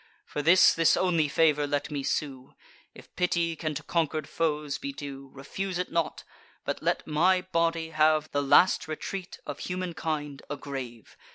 For this, this only favour let me sue, If pity can to conquer'd foes be due: Refuse it not; but let my body have The last retreat of humankind, a grave.